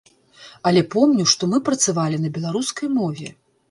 Але помню, што мы працавалі на беларускай мове.